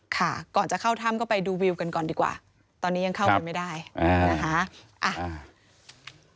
ค่ะก่อนจะเข้าถ้ำก็ไปดูวิวกันก่อนดีกว่าตอนนี้ยังเข้าไปไม่ได้อ่านะคะ